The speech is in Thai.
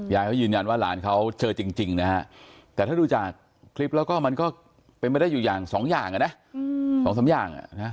ยายเขายืนยันว่าหลานเขาเจอจริงนะฮะแต่ถ้าดูจากคลิปแล้วก็มันก็เป็นไปได้อยู่อย่างสองอย่างนะ๒๓อย่าง